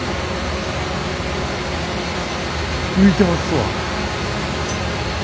浮いてますわ。